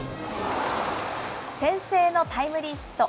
先制のタイムリーヒット。